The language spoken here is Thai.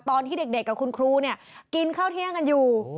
ตอนที่เด็กกับคุณครูเนี่ยกินข้าวเที่ยงกันอยู่